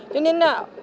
cho nên là